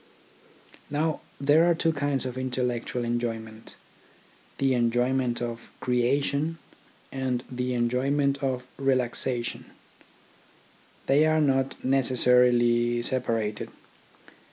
Now there are two kinds of intellectual 54 THE ORGANISATION OF THOUGHT enjoyment : the enjoyment of creation, and the enjoyment of relaxation. They are not neces sarily separated.